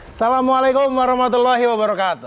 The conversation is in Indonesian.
assalamualaikum warahmatullahi wabarakatuh